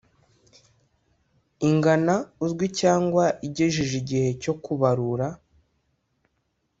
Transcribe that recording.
ingana uzwi cyangwa igejeje igihe cyo kubarura